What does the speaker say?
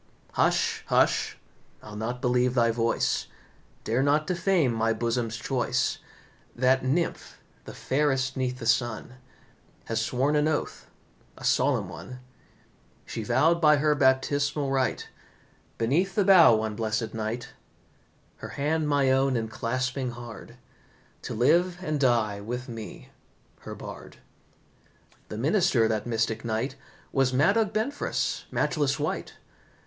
"Hush, hush, I'll not believe thy voice, Dare not defame my bosom's choice. That nymph, the fairest 'neath the sun, Has sworn an oath, a solemn one; She vowed by her baptismal rite, Beneath the bough one blessed night, Her hand my own enclasping hard, To live and die with me, her Bard. The minister that mystic night Was Madog Benfras, matchless wight.